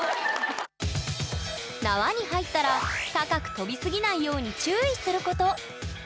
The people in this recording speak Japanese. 縄に入ったら高く跳びすぎないように注意すること。